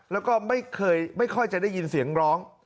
แล้วก็ไม่ค่อยจะได้ยินเสียงร้อง